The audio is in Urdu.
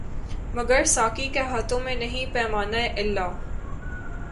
مگر ساقی کے ہاتھوں میں نہیں پیمانۂ الا